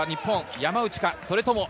山内かそれとも。